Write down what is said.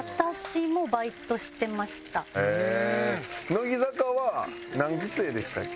乃木坂は何期生でしたっけ？